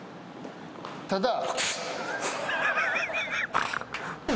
ただ。